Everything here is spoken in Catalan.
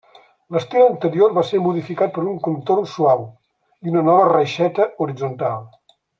L'estil anterior va ser modificat per un contorn suau, i una nova reixeta horitzontal.